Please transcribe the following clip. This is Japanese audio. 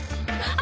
あ。